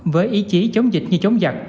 với ý chí chống dịch như chống giặc